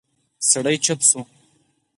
سړی غلی شو.